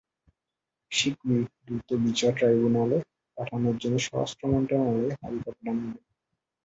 শিগগিরই দ্রুত বিচার ট্রাইব্যুনালে পাঠানোর জন্য স্বরাষ্ট্র মন্ত্রণালয়ে তালিকা পাঠানো হবে।